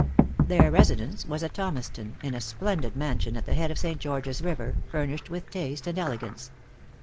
Their residence was at Thomaston, in a splendid mansion at the head of St. George's River, furnished with taste and elegance.